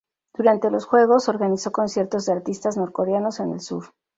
Durante los Juegos, organizó conciertos de artistas norcoreanos en el sur.